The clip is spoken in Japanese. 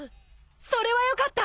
それはよかった！